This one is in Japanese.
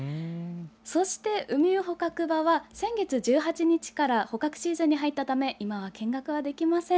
そしてウミウ捕獲場は先月１８日から捕獲シーズンに入ったため今は見学することができません。